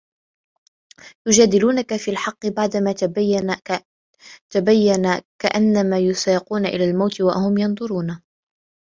يُجَادِلُونَكَ فِي الْحَقِّ بَعْدَمَا تَبَيَّنَ كَأَنَّمَا يُسَاقُونَ إِلَى الْمَوْتِ وَهُمْ يَنْظُرُونَ